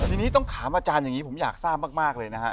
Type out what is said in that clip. ทีนี้ต้องถามอาจารย์อย่างนี้ผมอยากทราบมากเลยนะฮะ